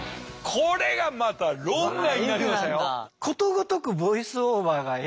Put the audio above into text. これがまた論外になりましたよ。